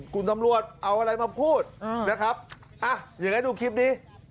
คุณสำรวจเอาอะไรมาพูดนะครับอย่างนี้ดูคลิปดิ